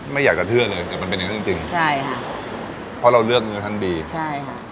ไม่อยากจะเชื่อเลยแต่มันเป็นอย่างนั้นจริงจริงใช่ค่ะเพราะเราเลือกเนื้อท่านดีใช่ค่ะ